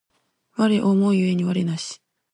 我思う故に我なし